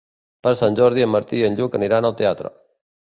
Per Sant Jordi en Martí i en Lluc aniran al teatre.